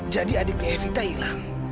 jadi adiknya evita hilang